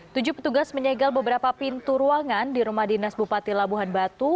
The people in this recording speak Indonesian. tujuh petugas menyegel beberapa pintu ruangan di rumah dinas bupati labuhan batu